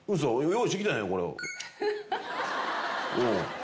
用意してきたんやこれを。